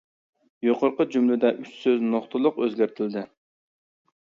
يۇقىرىقى جۈملىدە ئۈچ سۆز نۇقتىلىق ئۆزگەرتىلدى.